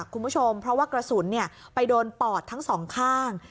คุณผู้ชมเพราะว่ากระสุนไปโดนปอดทั้งสองข้าง